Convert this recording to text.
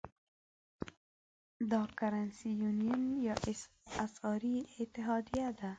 دا Currency Union یا اسعاري اتحادیه ده.